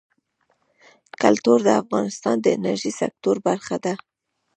کلتور د افغانستان د انرژۍ سکتور برخه ده.